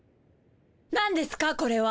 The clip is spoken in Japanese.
なんですかこれは。